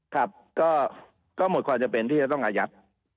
ครับก็หมดความจำเป็นที่จะต้องอายัด